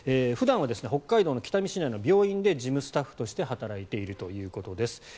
普段は北海道の北見市内の病院で事務スタッフとして働いているということです。